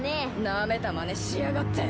なめたまねしやがって。